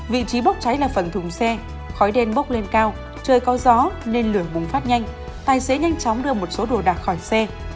vị trí bốc cháy là phần thùng xe khói đen bốc lên cao trời có gió nên lửa bùng phát nhanh tài xế nhanh chóng đưa một số đồ đạc khỏi xe